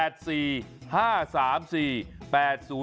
ครับ